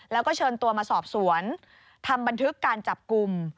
แล้วก็เชิญตัวมาสอบสวนทำบันทึกการจับกลุ่ม